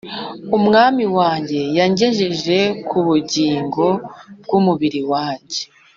umwami wanjye yagejeje ku bugingo bw'umubiri wanjye: